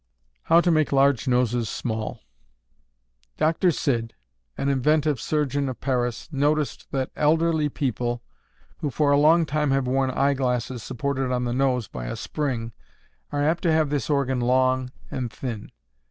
How to Make Large Noses Small. Dr. Cid, an inventive surgeon of Paris, noticed that elderly people, who for a long time have worn eyeglasses supported on the nose by a spring, are apt to have this organ long and thin.